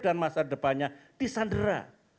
dan masa depannya disandera